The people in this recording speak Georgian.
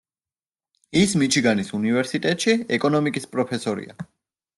ის მიჩიგანის უნივერსიტეტში ეკონომიკის პროფესორია.